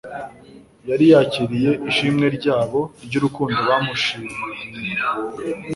yari yakiriye ishimwe ryabo ry'urukundo bamushilna,